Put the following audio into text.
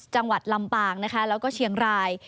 จังหวัดลำปางและเชียงราย